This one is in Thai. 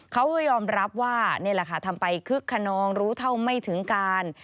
เขาก็ยอมรับว่านี่แหละค่ะทำไปคึกขนองรู้เท่าไม่ถึงการ